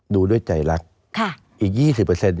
ดูด้วยใจลักษณ์